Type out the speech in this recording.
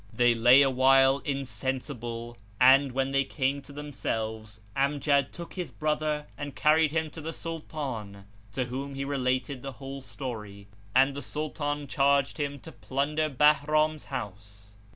They lay awhile insensible and, when they came to themselves, Amjad took his brother and carried him to the Sultan, to whom he related the whole story, and the Sultan charged him to plunder Bahram's house.